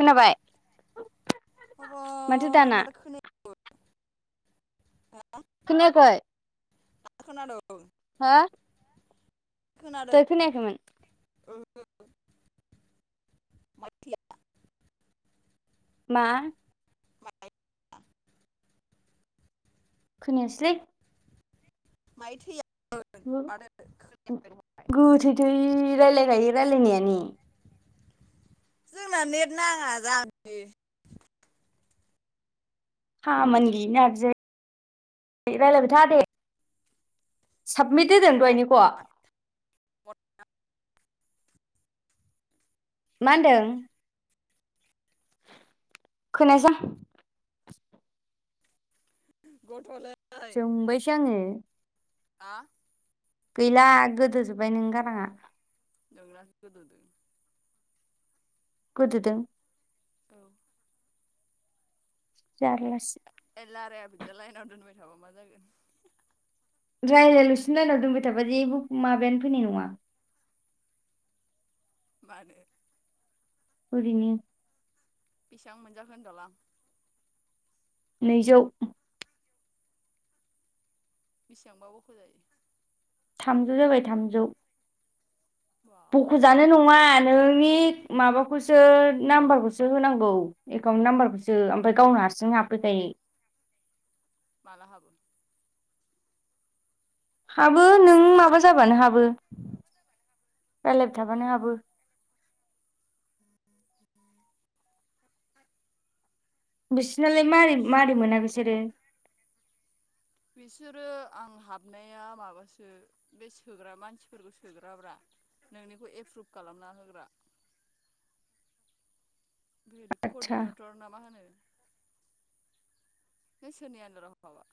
खोनाबाय? होबाय माथो खोनाया खौनो? हा खोनाखाय? दासो खोनादों। हा? खोनादों। उम [unintelligible] मा? [unintelligible] खोनायास्लै मायोथैया नों गोथैथै राय्लायखायो रायलायनायानो। जोंना नेट नाङा जामबि। खामानि गियै नारज रायलाय था दे। साबमिट हो टावारा दोनदनिखौ? नाङा मा होनदों? खोनायासां? गथ ले जोंबायसो आङो हा गैला गोदो जोब्बाय नोंनि गाराङा। नोंनासो गोदो दों गोदोदों। औ जारलासि ए लाराया बिदिया लाइनाव दोनबाय थाबा मा जागोन? रायज्लायलासिनो लायेनाव दोनबाय थाबा जेबो माबायानो फैनाय नङा। बानो? ओरैनो। बेसिबां मोनजाखो होनदलां? नैजौ। बेसेबांबा बखजायो? थामजौ जाबाय थामजौ। बाव बख'जानो नङा खनसे नोंनि माबा खौसो नाम्बारखौसो होनांगौ एकाउन्ट नाम्बारखौसो ओमफ्राय गावनो हारसिं हाबफैखायो। [inaudible] मला हाबोमोन? हाबो नों माबा जाबानो हाबो। रायज्लायबाय मा थाबानो जाबा हाबो। बिसोरनालाय मारै मारै आदसा मोना बिसोरो? बिसोरो आं हाबनाया माबासो बे सोग्रा मानसिफोरखौ सोग्राब्रा। नोंनिखौ एप्रुभ खालामना होग्रा। [inaudible] बेबायदि आदसा कर्डिनेटर ना मा होनो? नों सोरनि आनदाराव हाबा?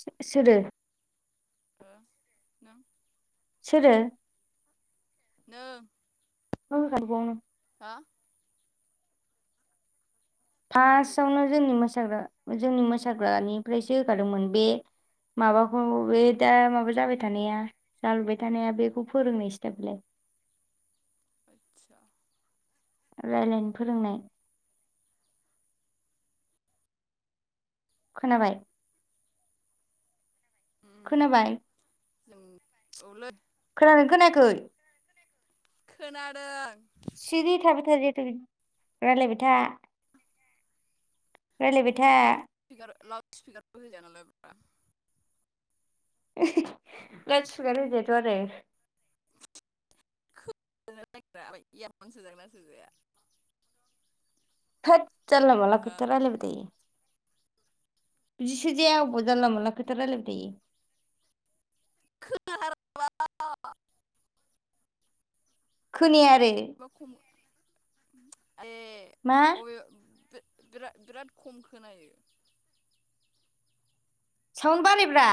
सो सोरो? हो नों? सोरो? ओ [unintelligible] [unintelligible] मा ग्रुप फार्स्टआवनो जोंनि मोसाग्रा जोंनि मोसाग्रानिफ्रायसो होखादोंमोन बे माबाखौ बे दा माबा जाबाय थानाया जालुबाय थानाया बेखौ फोरोंनाय सिटेपालाय आतसा रायलायनो फोरोंनाय खोनाबाय। खोनाबाय? औ लै खोनादोंना खोनायाखै? खोना सिरि थाबाय था जिथु रायलायबाय था। रायलायबाय था लाउद स्पिकार लाउद स्पिकारबो होजाया नालायब्रा। [unintelligible] लाउद स्पिकार होजायाथ' आरो। [unintelligible] इयारफन सोजागोना सोजाया? होद जानला मानला हो खोथा रायलायबाय थायो। बिदि सोजाया अबाव जानला मोनला खोथा रायलायबाय थायो। [unintelligible] खोनाया आरो [unintelligible] बिरा मा - बिराद खम खोनायो। साउन बारायब्रा